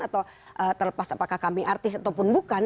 atau terlepas apakah kami artis ataupun bukan